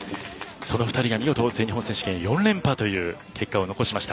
その２人が見事、全日本選手権４連覇という結果を残しました。